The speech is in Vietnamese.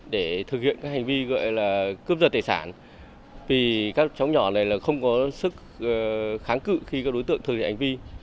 để thực hiện các hành vi gọi là cướp giật tài sản vì các cháu nhỏ này là không có sức kháng cự khi các đối tượng thừa nhận hành vi